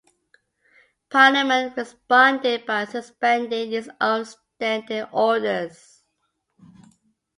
Parliament responded by suspending its own standing orders.